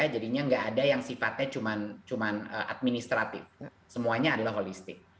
jadinya nggak ada yang sifatnya cuma administratif semuanya adalah holistik